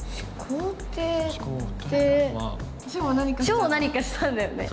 書を何かしたんだよね。